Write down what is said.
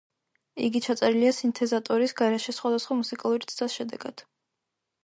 იგი ჩაწერილია სინთეზატორის გარეშე, სხვადასხვა მუსიკალური ცდას შედეგად.